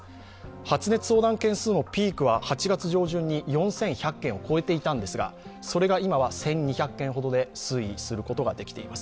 発熱相談件数のピークは８月上旬に４１００件を超えていたんですがそれが今は１２００件ほどで推移することができています。